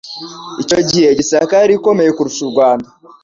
icyo gihe Gisaka yari ikomeye kurusha u Rwanda